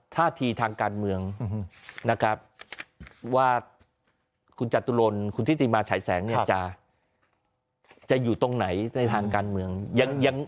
ท่าทีทางการเมืองนะครับว่าคุณจตุรนคุณทิติมาฉายแสงเนี่ยจะอยู่ตรงไหนในทางการเมือง